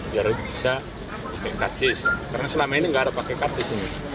biar bisa pakai karcis karena selama ini nggak ada pakai kartis ini